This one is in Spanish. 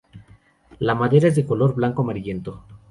La madera es de color blanco-amarillento.